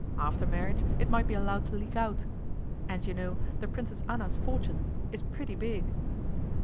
After marriage it might be allowed to leak out. And you know the Princess Anna's fortune is pretty big!